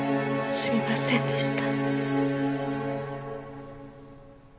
すみませんでした。